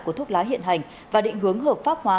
của thuốc lá hiện hành và định hướng hợp pháp hóa